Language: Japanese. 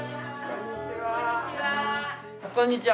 こんにちは。